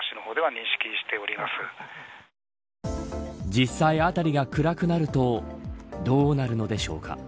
実際、辺りが暗くなるとどうなるのでしょうか。